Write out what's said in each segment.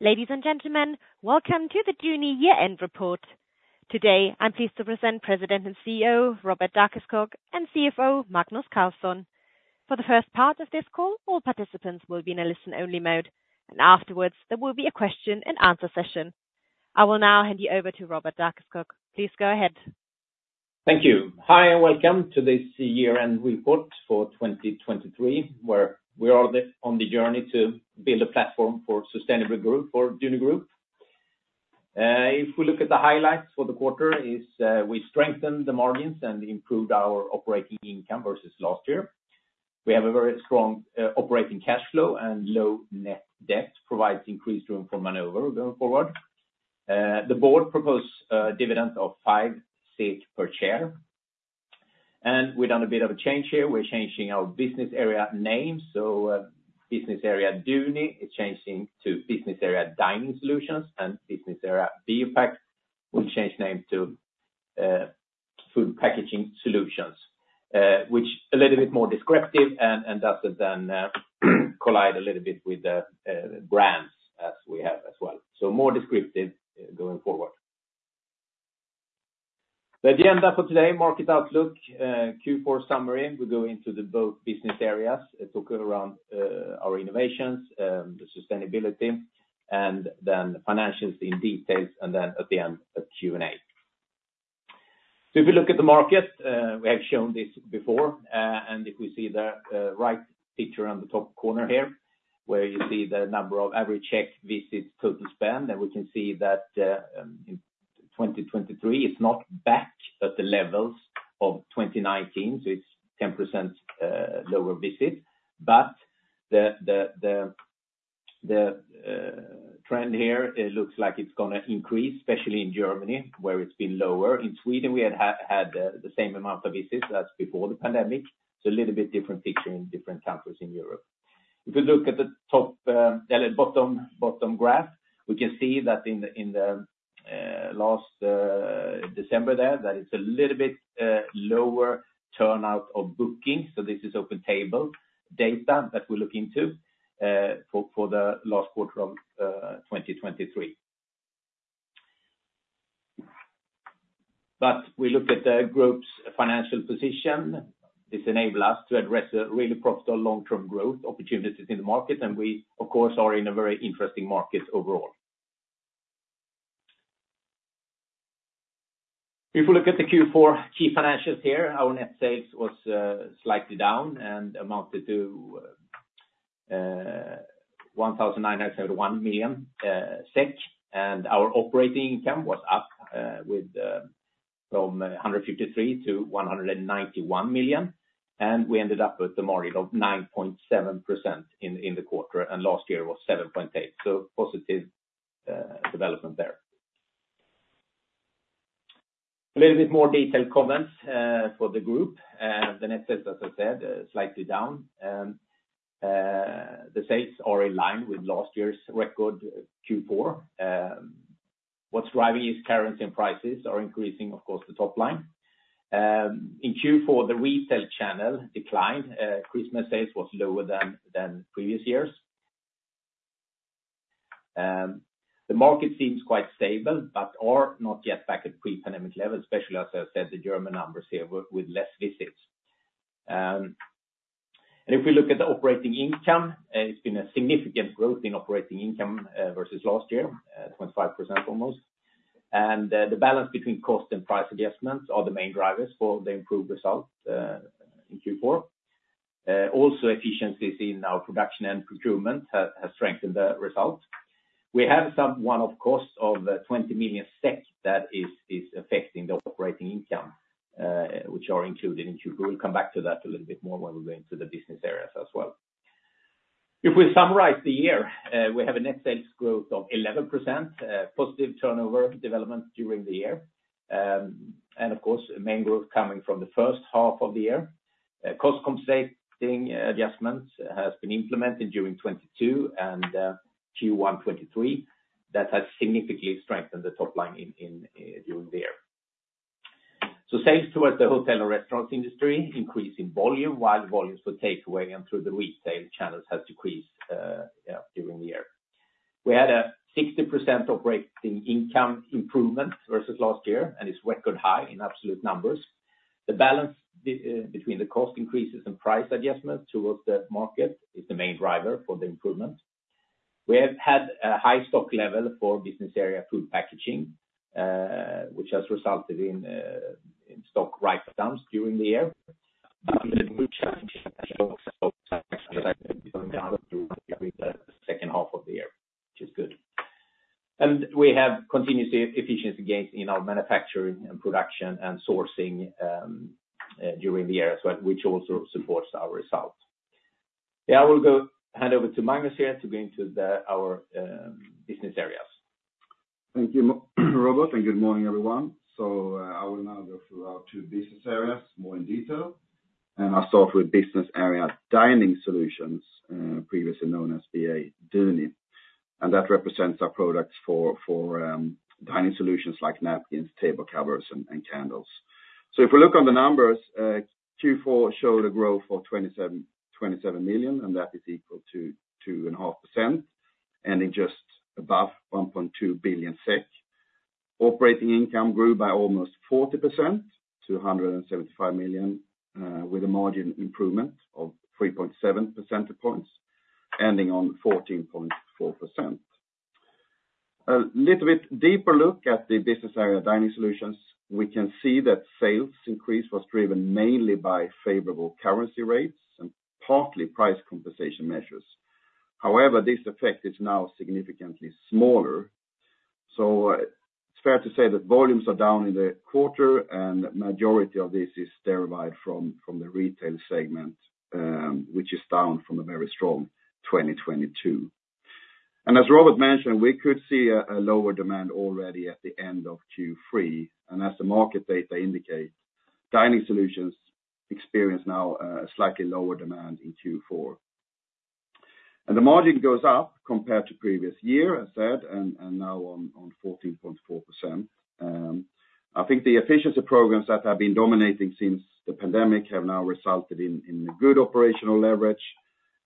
Ladies and gentlemen, welcome to the Duni year-end report. Today I'm pleased to present President and CEO Robert Dackeskog and CFO Magnus Carlsson. For the first part of this call, all participants will be in a listen-only mode, and afterwards there will be a question-and-answer session. I will now hand you over to Robert Dackeskog. Please go ahead. Thank you. Hi and welcome to this year-end report for 2023, where we are on the journey to build a platform for sustainable growth for Duni Group. If we look at the highlights for the quarter, we strengthened the margins and improved our operating income versus last year. We have a very strong operating cash flow and low net debt provides increased room for maneuver going forward. The board proposed dividend of 5 per share. We've done a bit of a change here. We're changing our business area name. So, business area Duni, it's changing to business area Dining Solutions, and business area BioPak will change name to Food Packaging Solutions, which is a little bit more descriptive and doesn't then collide a little bit with the brands as we have as well. So more descriptive, going forward. The agenda for today, market outlook, Q4 summary. We go into both business areas. I talk about our innovations, the sustainability, and then financials in detail, and then at the end, a Q&A. So if we look at the market, we have shown this before, and if we see the right picture on the top corner here where you see the number of average check visits total spend, then we can see that in 2023 it's not back at the levels of 2019, so it's 10% lower visits. But the trend here, it looks like it's gonna increase, especially in Germany where it's been lower. In Sweden we had the same amount of visits as before the pandemic, so a little bit different picture in different countries in Europe. If we look at the top, bottom, bottom graph, we can see that in the last December there, that it's a little bit lower turnout of bookings. So this is OpenTable data that we look into, for the last quarter of 2023. But we look at the group's financial position. This enables us to address really profitable long-term growth opportunities in the market, and we, of course, are in a very interesting market overall. If we look at the Q4 key financials here, our net sales was slightly down and amounted to 1,971 million SEK, and our operating income was up from 153 million to 191 million. We ended up with a margin of 9.7% in the quarter, and last year was 7.8%. So positive development there. A little bit more detailed comments for the group. The net sales, as I said, slightly down. The sales are in line with last year's record Q4. What's driving is currency and prices are increasing, of course, the top line. In Q4, the retail channel declined. Christmas sales was lower than previous years. The market seems quite stable but are not yet back at pre-pandemic level, especially, as I said, the German numbers here with less visits. And if we look at the operating income, it's been a significant growth in operating income, versus last year, almost 25%. The balance between cost and price adjustments are the main drivers for the improved result, in Q4. Also efficiencies in our production and procurement has strengthened the result. We have some one-off costs of 20 million SEK that is affecting the operating income, which are included in Q4. We'll come back to that a little bit more when we go into the business areas as well. If we summarize the year, we have a net sales growth of 11%, positive turnover development during the year. Of course, main growth coming from the first half of the year. Cost compensating adjustments has been implemented during 2022 and Q1 2023. That has significantly strengthened the top line in during the year. Sales towards the hotel and restaurants industry increase in volume while volumes for takeaway and through the retail channels has decreased, yeah, during the year. We had a 60% operating income improvement versus last year and is record high in absolute numbers. The balance between the cost increases and price adjustments towards the market is the main driver for the improvement. We have had a high stock level for business area Food Packaging, which has resulted in stock write-downs during the year. But we're challenging actually also stock levels that have been going down during the second half of the year, which is good. And we have continuous efficiency gains in our manufacturing and production and sourcing during the year as well, which also supports our result. Yeah, I will hand over to Magnus here to go into our business areas. Thank you, Magnus, Robert, and good morning, everyone. So, I will now go through our two business areas more in detail, and I'll start with business area Dining Solutions, previously known as BA Duni. That represents our products for dining solutions like napkins, table covers, and candles. So if we look on the numbers, Q4 showed a growth of 27 million, and that is equal to 2.5%, ending just above 1.2 billion SEK. Operating income grew by almost 40% to 175 million, with a margin improvement of 3.7 percentage points, ending on 14.4%. A little bit deeper look at the business area Dining Solutions, we can see that sales increase was driven mainly by favorable currency rates and partly price compensation measures. However, this effect is now significantly smaller. So, it's fair to say that volumes are down in the quarter, and the majority of this is derived from the retail segment, which is down from a very strong 2022. As Robert mentioned, we could see a lower demand already at the end of Q3, and as the market data indicate, Dining Solutions experience now, slightly lower demand in Q4. The margin goes up compared to previous year, as I said, and now on 14.4%. I think the efficiency programs that have been dominating since the pandemic have now resulted in good operational leverage,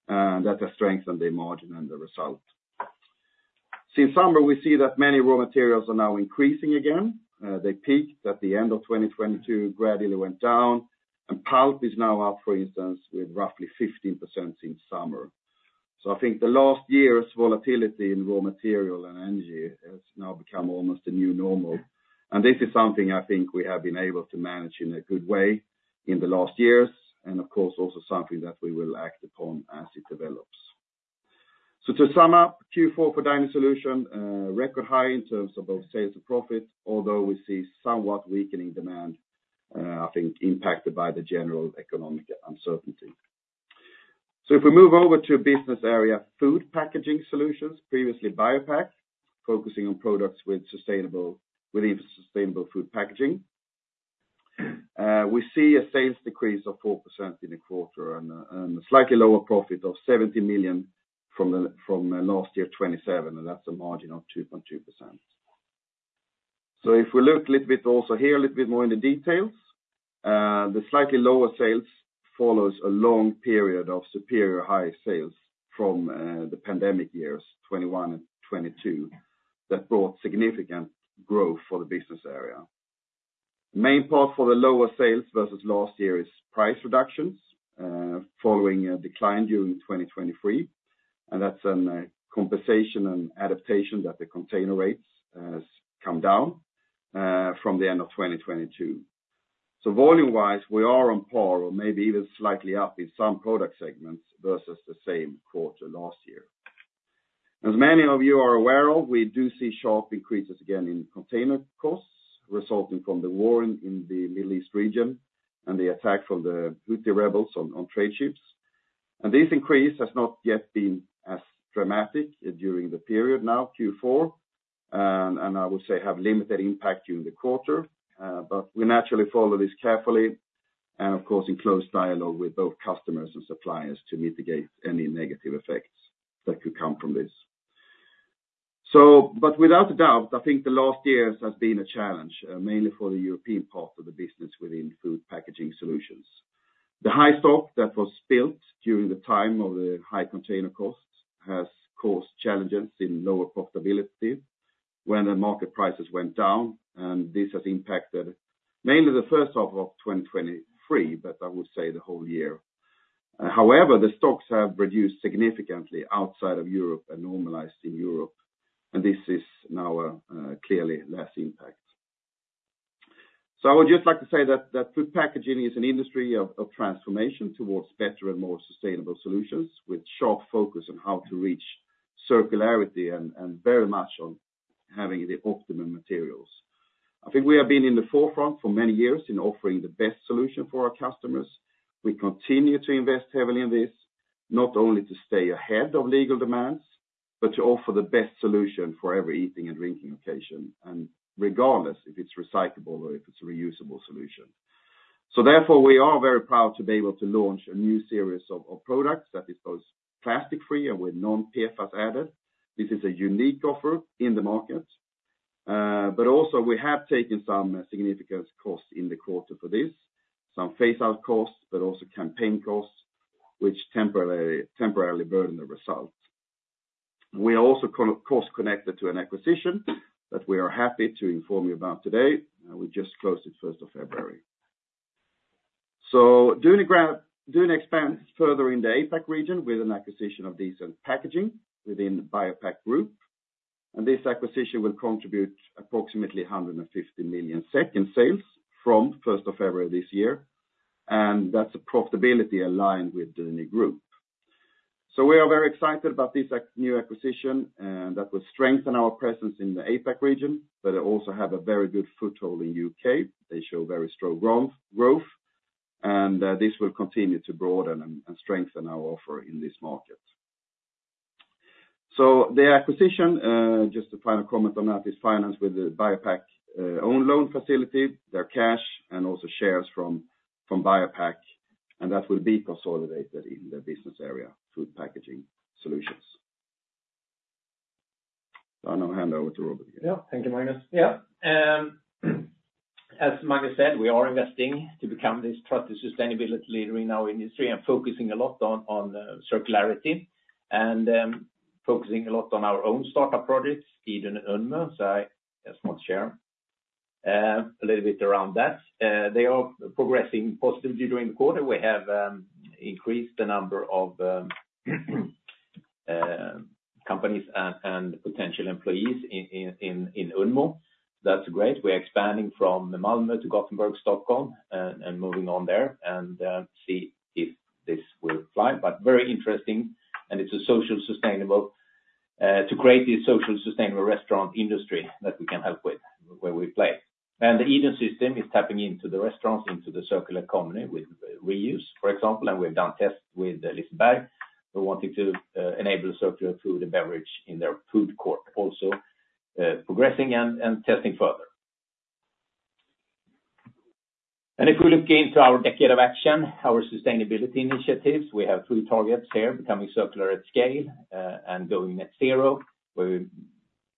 that has strengthened the margin and the result. Since summer, we see that many raw materials are now increasing again. They peaked at the end of 2022, gradually went down, and pulp is now up, for instance, with roughly 15% since summer. So I think the last year's volatility in raw material and energy has now become almost a new normal, and this is something I think we have been able to manage in a good way in the last years, and of course, also something that we will act upon as it develops. So to sum up, Q4 for Dining Solutions, record high in terms of both sales and profit, although we see somewhat weakening demand, I think impacted by the general economic uncertainty. So if we move over to business area Food Packaging Solutions, previously BioPak, focusing on products with sustainable within sustainable food packaging, we see a sales decrease of 4% in the quarter and a slightly lower profit of 70 million from last year 27, and that's a margin of 2.2%. If we look a little bit also here a little bit more in the details, the slightly lower sales follows a long period of superior high sales from the pandemic years, 2021 and 2022, that brought significant growth for the business area. The main part for the lower sales versus last year is price reductions, following a decline during 2023, and that's an compensation and adaptation that the container rates has come down from the end of 2022. Volume-wise, we are on par or maybe even slightly up in some product segments versus the same quarter last year. As many of you are aware of, we do see sharp increases again in container costs resulting from the war in the Middle East region and the attack from the Houthi rebels on trade ships. This increase has not yet been as dramatic during the period now, Q4, and I would say have limited impact during the quarter, but we naturally follow this carefully and, of course, in close dialogue with both customers and suppliers to mitigate any negative effects that could come from this. But without a doubt, I think the last year has been a challenge, mainly for the European part of the business within Food Packaging Solutions. The high stock that was built during the time of the high container costs has caused challenges in lower profitability when the market prices went down, and this has impacted mainly the first half of 2023, but I would say the whole year. However, the stocks have reduced significantly outside of Europe and normalized in Europe, and this is now a clearly less impact. So I would just like to say that food packaging is an industry of transformation towards better and more sustainable solutions with sharp focus on how to reach circularity and very much on having the optimum materials. I think we have been in the forefront for many years in offering the best solution for our customers. We continue to invest heavily in this, not only to stay ahead of legal demands, but to offer the best solution for every eating and drinking occasion, and regardless if it's recyclable or if it's a reusable solution. So therefore, we are very proud to be able to launch a new series of products that is both plastic-free and with non-PFAS added. This is a unique offer in the market. but also we have taken some significant costs in the quarter for this, some phase-out costs, but also campaign costs, which temporarily burden the result. We are also cost-connected to an acquisition that we are happy to inform you about today. We just closed it 1st of February. So Duni Group expands further in the APAC region with an acquisition of Decent Packaging within BioPak Group, and this acquisition will contribute approximately 150 million sales from 1st of February this year, and that's a profitability aligned with Duni Group. So we are very excited about this new acquisition, that will strengthen our presence in the APAC region, but it also have a very good foothold in the U.K. They show very strong growth, and this will continue to broaden and strengthen our offer in this market. So the acquisition, just a final comment on that, is financed with the BioPak's own loan facility, their cash, and also shares from BioPak, and that will be consolidated in the business area Food Packaging Solutions. So I now hand over to Robert again. Yeah, thank you, Magnus. Yeah, as Magnus said, we are investing to become this trusted sustainability leader in our industry and focusing a lot on circularity and focusing a lot on our own startup projects, Eden and Unmo, so I'll share a little bit around that. They are progressing positively during the quarter. We have increased the number of companies and potential employees in Unmo. That's great. We are expanding from Malmö to Gothenburg, Stockholm, and moving on there and see if this will fly, but very interesting, and it's socially sustainable to create this socially sustainable restaurant industry that we can help with where we play. And the Eden system is tapping into the restaurants into the circular economy with reuse, for example, and we've done tests with Liseberg. We're wanting to enable circular food and beverage in their food court also, progressing and testing further. And if we look into our decade of action, our sustainability initiatives, we have three targets here: becoming circular at scale, and going net zero, where we're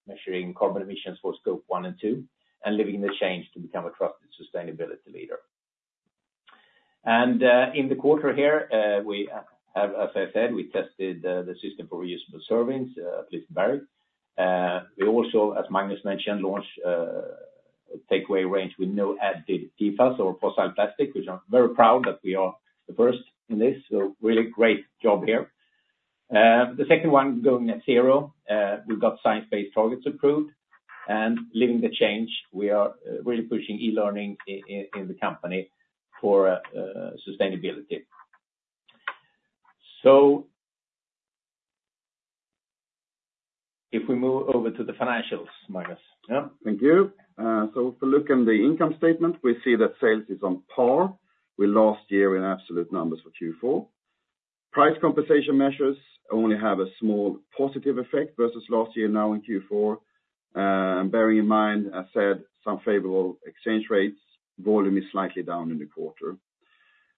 measuring carbon emissions for scope one and two, and living the change to become a trusted sustainability leader. And in the quarter here, we have, as I said, tested the system for reusable servings at Liseberg. We also, as Magnus mentioned, launched a takeaway range with no added PFAS or fossil plastic, which I'm very proud that we are the first in this. So really great job here. The second one, going net zero, we've got science-based targets approved, and living the change, we are really pushing e-learning in the company for sustainability. So if we move over to the financials, Magnus. Yeah? Thank you. So if we look in the income statement, we see that sales is on par with last year in absolute numbers for Q4. Price compensation measures only have a small positive effect versus last year now in Q4, and bearing in mind, as I said, some favorable exchange rates, volume is slightly down in the quarter.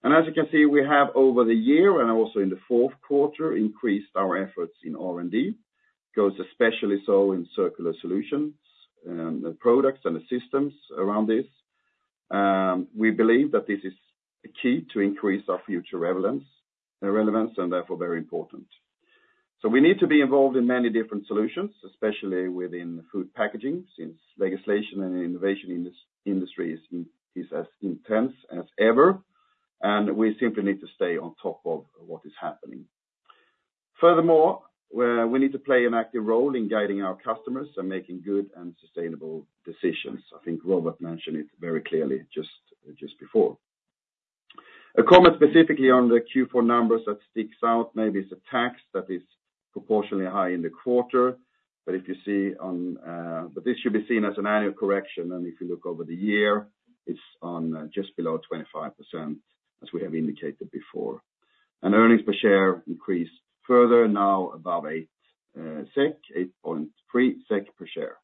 And as you can see, we have over the year and also in the fourth quarter increased our efforts in R&D, goes especially so in circular solutions, the products and the systems around this. We believe that this is key to increase our future relevance, relevance, and therefore very important. So we need to be involved in many different solutions, especially within food packaging since legislation and innovation in this industry is in is as intense as ever, and we simply need to stay on top of what is happening. Furthermore, we need to play an active role in guiding our customers and making good and sustainable decisions. I think Robert mentioned it very clearly just before. A comment specifically on the Q4 numbers that sticks out maybe is the tax that is proportionally high in the quarter, but if you see, but this should be seen as an annual correction, and if you look over the year, it's just below 25% as we have indicated before. And earnings per share increased further, now above 8 SEK, 8.3 SEK per share.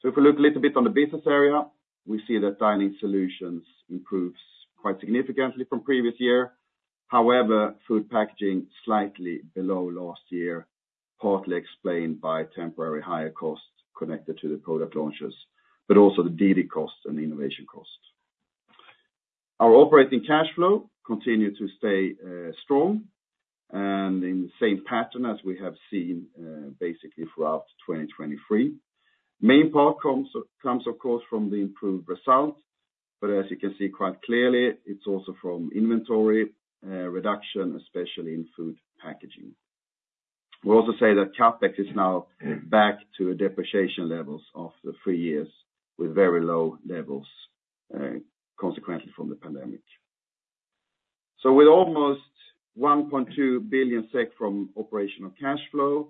So if we look a little bit on the business area, we see that Dining Solutions improves quite significantly from previous year. However, food packaging slightly below last year, partly explained by temporary higher costs connected to the product launches, but also the DD costs and innovation costs. Our operating cash flow continue to stay strong and in the same pattern as we have seen, basically throughout 2023. Main part comes, of course, from the improved result, but as you can see quite clearly, it's also from inventory reduction, especially in food packaging. We also say that CapEx is now back to depreciation levels of the three years with very low levels, consequently from the pandemic. So with almost 1.2 billion SEK from operational cash flow,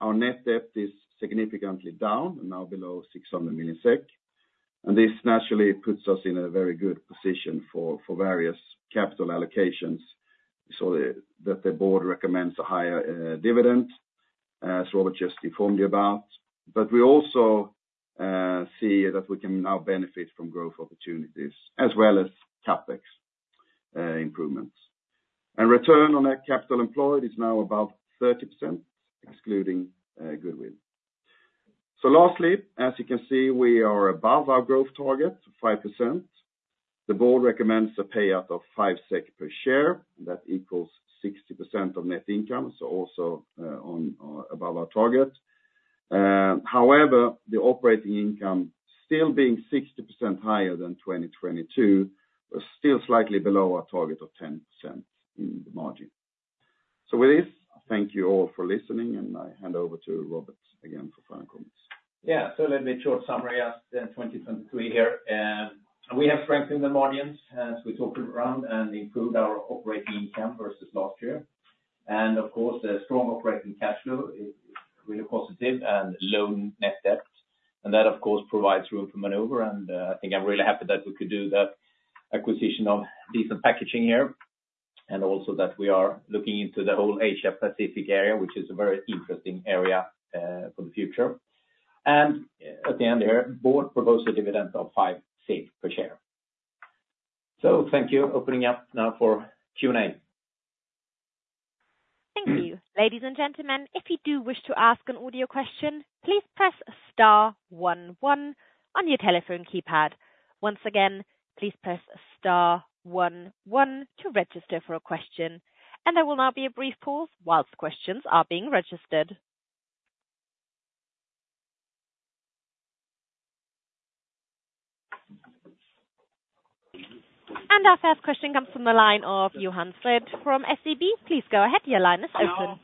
our net debt is significantly down and now below 600 million SEK, and this naturally puts us in a very good position for various capital allocations. We saw that the board recommends a higher dividend, as Robert just informed you about, but we also see that we can now benefit from growth opportunities as well as CapEx improvements. Return on net capital employed is now about 30% excluding goodwill. So lastly, as you can see, we are above our growth target, 5%. The board recommends a payout of 5 SEK per share, and that equals 60% of net income, so also above our target. However, the operating income still being 60% higher than 2022 was still slightly below our target of 10% in the margin. So with this, I thank you all for listening, and I hand over to Robert again for final comments. Yeah, so a little bit short summary as to 2023 here. We have strengthened the margins as we talked around and improved our operating income versus last year, and of course, the strong operating cash flow is really positive and low net debt, and that, of course, provides room for maneuver. I think I'm really happy that we could do that acquisition of Decent Packaging here and also that we are looking into the whole Asia-Pacific area, which is a very interesting area, for the future. At the end here, board proposed a dividend of 5 per share. So thank you opening up now for Q&A. Thank you. Ladies and gentlemen, if you do wish to ask an audio question, please press star one one on your telephone keypad. Once again, please press star one one to register for a question, and there will now be a brief pause whilst questions are being registered. And our first question comes from the line of Johan Fred from SEB. Please go ahead. Your line is open.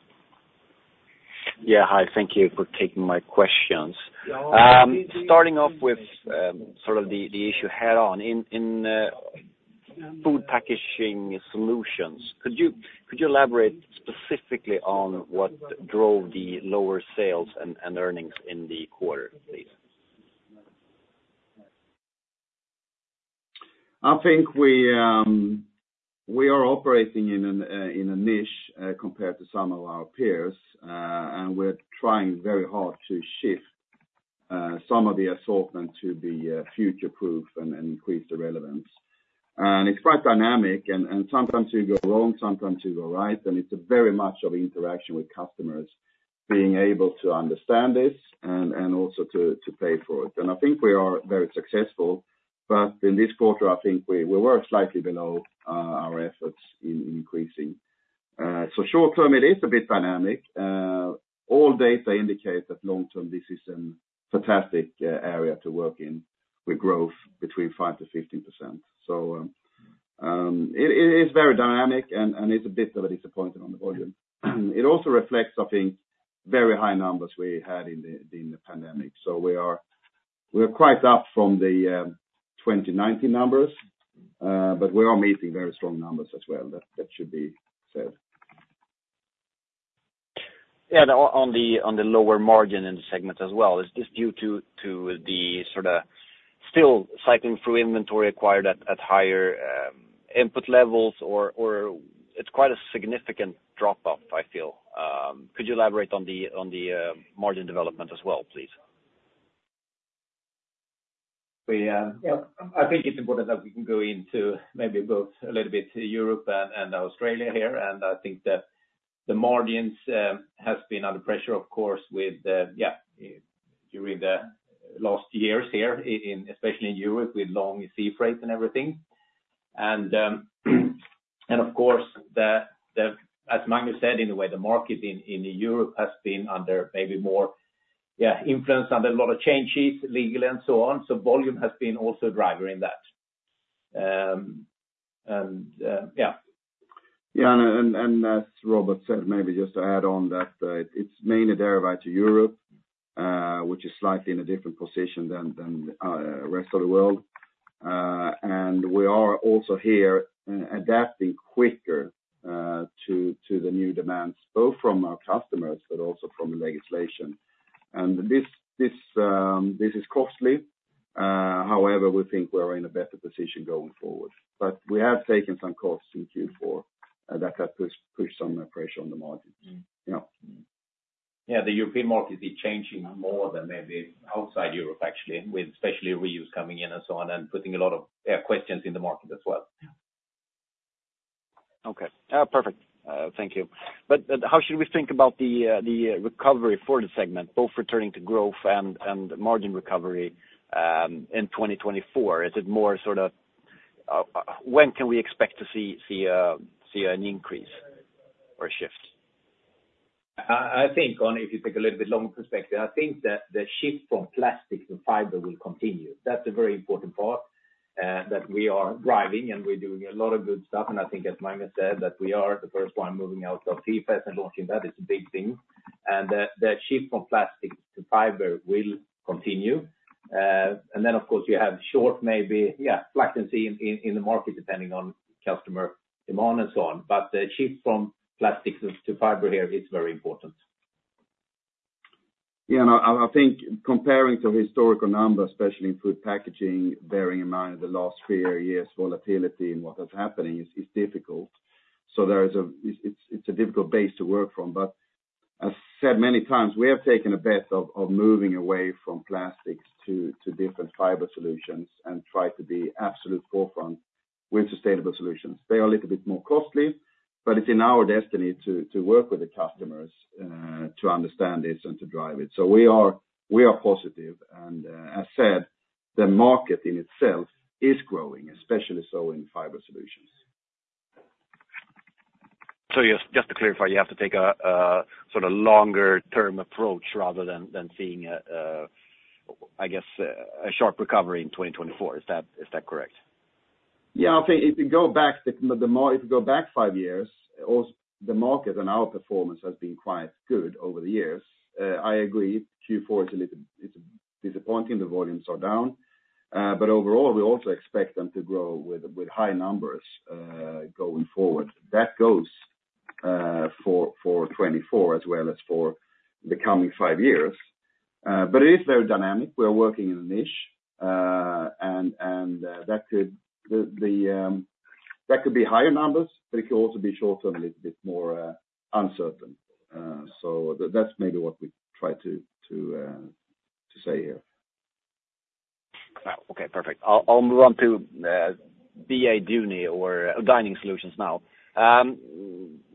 Yeah, hi. Thank you for taking my questions. Starting off with, sort of the, the issue head-on in, in, Food Packaging Solutions, could you could you elaborate specifically on what drove the lower sales and, and earnings in the quarter, please? I think we, we are operating in an, in a niche, compared to some of our peers, and we're trying very hard to shift, some of the assortment to be, future-proof and, and increase the relevance. And it's quite dynamic, and, and sometimes you go wrong, sometimes you go right, and it's a very much of interaction with customers being able to understand this and, and also to, to pay for it. And I think we are very successful, but in this quarter, I think we, we were slightly below, our efforts in increasing. So short-term, it is a bit dynamic. All data indicate that long-term, this is a fantastic, area to work in with growth between 5%-15%. So, it, it is very dynamic and, and it's a bit of a disappointment on the volume. It also reflects, I think, very high numbers we had in the pandemic. So we are quite up from the 2019 numbers, but we are meeting very strong numbers as well. That should be said. Yeah, and on the lower margin in the segment as well, is this due to the sort of still cycling through inventory acquired at higher input levels, or it's quite a significant drop-off, I feel? Could you elaborate on the margin development as well, please? Yeah, I think it's important that we can go into maybe both a little bit Europe and Australia here, and I think that the margins has been under pressure, of course, with yeah, during the last years here in especially in Europe with long sea freight and everything. And of course, as Magnus said, in a way, the market in Europe has been under maybe more yeah, influence under a lot of changes legally and so on, so volume has been also a driver in that. Yeah. Yeah, as Robert said, maybe just to add on that, it's mainly derived to Europe, which is slightly in a different position than the rest of the world. And we are also here adapting quicker to the new demands both from our customers but also from the legislation. And this is costly. However, we think we're in a better position going forward, but we have taken some costs in Q4 that pushed some pressure on the margins. Yeah. Yeah, the European market is changing more than maybe outside Europe, actually, with especially reuse coming in and so on and putting a lot of, yeah, questions in the market as well. Okay. Perfect. Thank you. But how should we think about the recovery for the segment, both returning to growth and margin recovery, in 2024? Is it more sort of, when can we expect to see an increase or a shift? I think on if you take a little bit longer perspective, I think that the shift from plastic to fiber will continue. That's a very important part, that we are driving, and we're doing a lot of good stuff. And I think, as Magnus said, that we are the first one moving out of PFAS and launching that. It's a big thing. And the shift from plastic to fiber will continue. And then, of course, you have short maybe, yeah, latency in the market depending on customer demand and so on, but the shift from plastic to fiber here is very important. Yeah, and I think comparing to historical numbers, especially in food packaging, bearing in mind the last three or four years' volatility and what has happened, is difficult. So it's a difficult base to work from. But as said many times, we have taken a bet of moving away from plastics to different fiber solutions and tried to be the absolute forefront with sustainable solutions. They are a little bit more costly, but it's in our destiny to work with the customers, to understand this and to drive it. So we are positive, and, as said, the market in itself is growing, especially so in fiber solutions. So just to clarify, you have to take a sort of longer-term approach rather than seeing, I guess, a sharp recovery in 2024. Is that correct? Yeah, I think if you go back five years, the market and our performance has been quite good over the years. I agree Q4 is a little bit disappointing. The volumes are down, but overall, we also expect them to grow with high numbers going forward. That goes for 2024 as well as for the coming five years, but it is very dynamic. We are working in a niche, and that could be higher numbers, but it could also be short-term a little bit more uncertain. So that's maybe what we try to say here. Okay. Perfect. I'll move on to BA Duni or Dining Solutions now.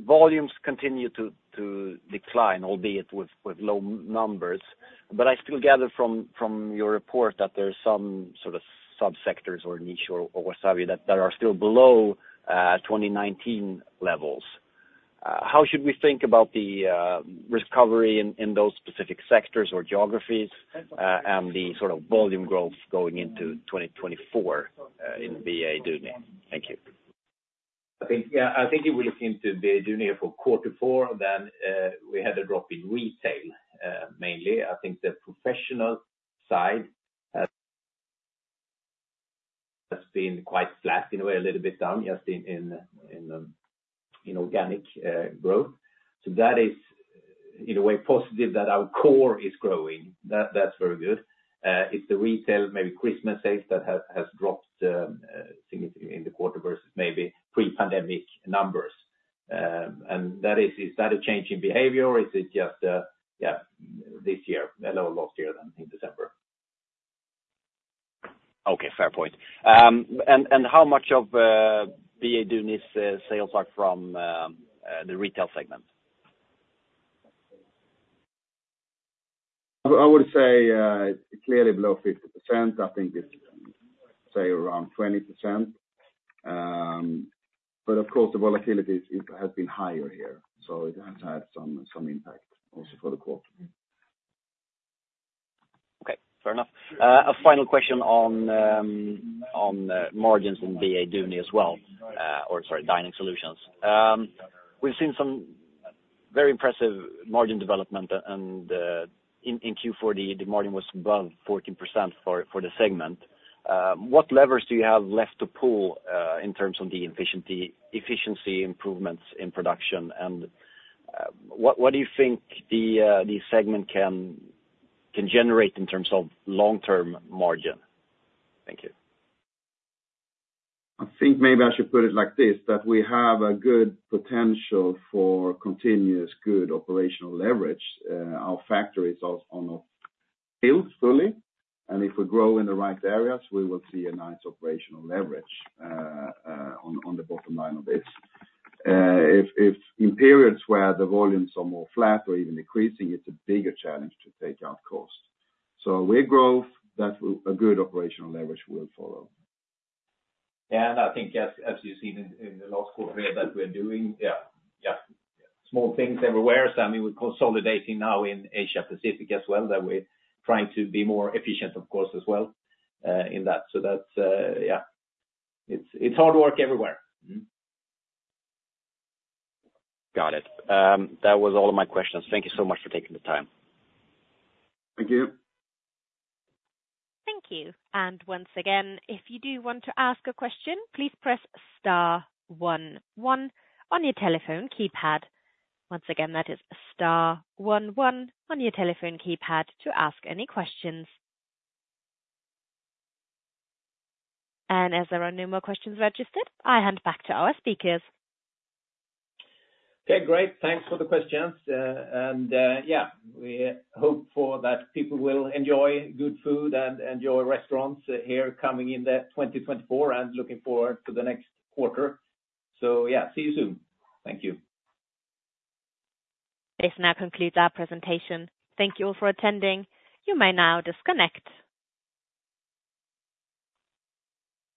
Volumes continue to decline, albeit with low numbers, but I still gather from your report that there are some sort of subsectors or niche or whatsoever that are still below 2019 levels. How should we think about the recovery in those specific sectors or geographies, and the sort of volume growth going into 2024 in BA Duni? Thank you. I think, yeah, I think if we look into BA Duni for quarter four, then we had a drop in retail, mainly. I think the professional side has been quite flat in a way, a little bit down just in organic growth. So that is, in a way, positive that our core is growing. That's very good. It's the retail, maybe Christmas sales that has dropped significantly in the quarter versus maybe pre-pandemic numbers. And that is, is that a change in behavior, or is it just yeah, this year a little lost year than in December? Okay. Fair point. And how much of BA Duni's sales are from the retail segment? I would say, clearly below 50%. I think it's, say, around 20%. But of course, the volatility has been higher here, so it has had some impact also for the quarter. Okay. Fair enough. A final question on margins in BA Duni as well, or sorry, Dining Solutions. We've seen some very impressive margin development, and in Q4, the margin was above 14% for the segment. What levers do you have left to pull, in terms of the efficiency improvements in production, and what do you think the segment can generate in terms of long-term margin? Thank you. I think maybe I should put it like this, that we have a good potential for continuous good operational leverage. Our factory is on a full build, and if we grow in the right areas, we will see a nice operational leverage on the bottom line of this. If in periods where the volumes are more flat or even decreasing, it's a bigger challenge to take out cost. So we're growth. That will a good operational leverage will follow. Yeah, and I think as you've seen in the last quarter here that we're doing small things everywhere. So, I mean, we're consolidating now in Asia-Pacific as well that we're trying to be more efficient, of course, as well, in that. So that's, yeah, it's hard work everywhere. Got it. That was all of my questions. Thank you so much for taking the time. Thank you. Thank you. And once again, if you do want to ask a question, please press star one one on your telephone keypad. Once again, that is star one one on your telephone keypad to ask any questions. And as there are no more questions registered, I hand back to our speakers. Yeah, great. Thanks for the questions. And, yeah, we hope that people will enjoy good food and enjoy restaurants here in 2024 and looking forward to the next quarter. So, yeah, see you soon. Thank you. This now concludes our presentation. Thank you all for attending. You may now disconnect.